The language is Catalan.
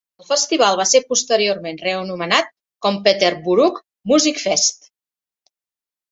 El festival va ser posteriorment reanomenat com Peterborough Musicfest